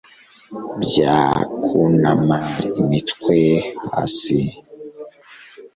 bya kunama imitwe hasi